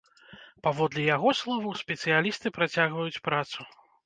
Паводле яго словаў, спецыялісты працягваюць працу.